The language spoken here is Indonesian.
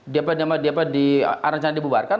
di arancana dibubarkan